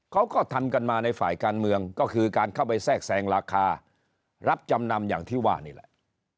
เขาก็ทำกันมาในฝ่ายการเมืองก็คือการเข้าไปแทรกแสงราคารับจำนำอย่างที่ว่านี่แหละ